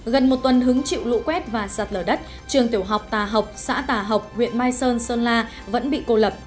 gần một tuần hứng chịu lũ quét và sạt lở đất trường tiểu học tà học xã tà học huyện mai sơn sơn la vẫn bị cô lập